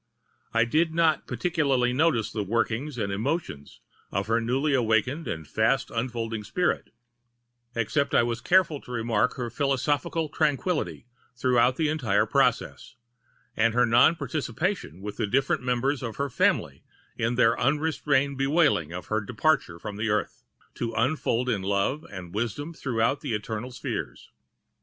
I did not particularly notice the workings and emotions of her newly awakening and fast unfolding spirit, except that I was careful to remark her philosophical tranquillity throughout the entire process, and her non participation with the different members of her family in their unrestrained bewailing of her departure from the earth, to unfold in Love and Wisdom throughout eternal spheres.